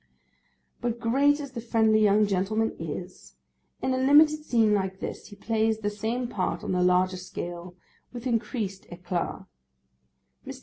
But great as the friendly young gentleman is, in a limited scene like this, he plays the same part on a larger scale with increased éclat. Mr.